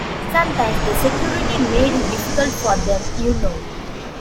Sometimes the security made it difficult for them, you know.